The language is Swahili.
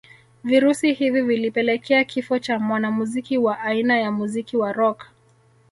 Virusi hivi vilipelekea kifo cha mwanamuziki wa aina ya muziki wa rock